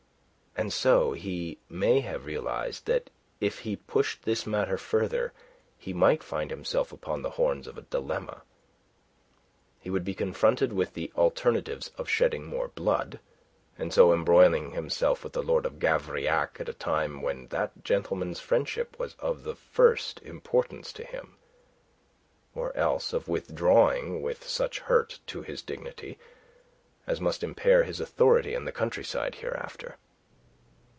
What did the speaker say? And so he may have realized that if he pushed this matter further, he might find himself upon the horns of a dilemma. He would be confronted with the alternatives of shedding more blood, and so embroiling himself with the Lord of Gavrillac at a time when that gentleman's friendship was of the first importance to him, or else of withdrawing with such hurt to his dignity as must impair his authority in the countryside hereafter.